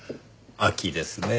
秋ですねぇ。